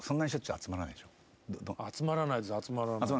集まらないです集まらないです。